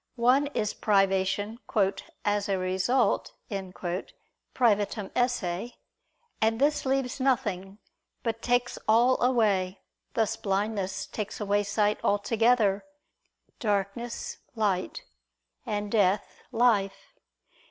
One is privation "as a result" (privatum esse), and this leaves nothing, but takes all away: thus blindness takes away sight altogether; darkness, light; and death, life.